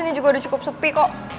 di sini juga udah cukup sepi kok